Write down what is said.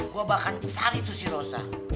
gua bakalan cari tuh si rosa